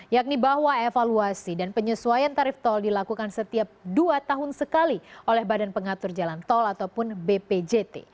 yakni bahwa evaluasi dan penyesuaian tarif tol dilakukan setiap dua tahun sekali oleh badan pengatur jalan tol ataupun bpjt